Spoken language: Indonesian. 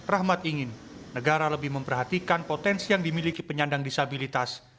rahmat ingin negara lebih memperhatikan potensi yang dimiliki penyandang disabilitas